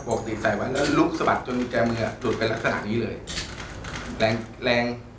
อกติดใจไว้แล้วลุกสะบัดจนกุญแจมือตรวจเป็นลักษณะนี้เลยแรงแรง